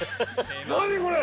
何これ！